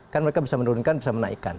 kan mereka bisa menurunkan bisa menaikkan